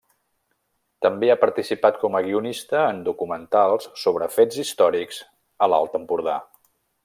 També ha participat com a guionista en documentals sobre fets històrics a l'Alt Empordà.